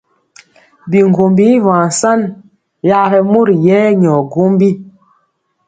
Biŋgombi i vaŋ san, yaɓɛ mori yɛ nyɔ gwombi.